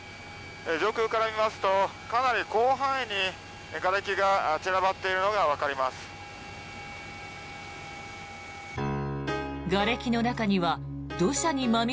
上空から見ますとかなり広範囲にがれきが散らばっているのがわかります。